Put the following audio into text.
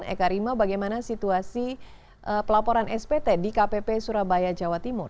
eka rima bagaimana situasi pelaporan spt di kpp surabaya jawa timur